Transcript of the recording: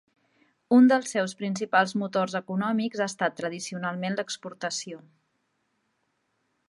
Un dels seus principals motors econòmics ha estat tradicionalment l'exportació.